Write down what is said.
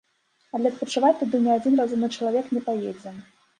Але адпачываць туды ні адзін разумны чалавек не паедзе.